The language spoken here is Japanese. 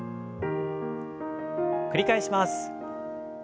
繰り返します。